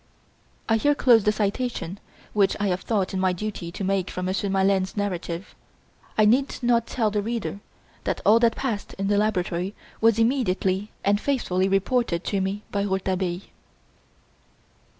I here close the citation which I have thought it my duty to make from Monsieur Maleine's narrative. I need not tell the reader that all that passed in the laboratory was immediately and faithfully reported to me by Rouletabille.